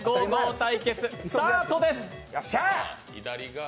対決スタートです。